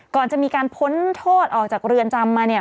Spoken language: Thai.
ก่อนจะมีการพ้นโทษออกจากเรือนจำมาเนี่ย